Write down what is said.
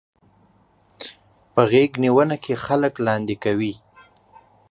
په غېږنيونه کې خلک لاندې کوي.